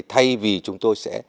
thay vì chúng tôi sẽ